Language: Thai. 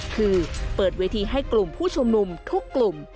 คือเปิดเวทีให้กลุ่มผู้ชุมนุมทุกกลุ่ม